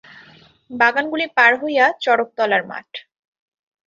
বাগানগুলি পার হইয়া চড়কতলার মাঠ।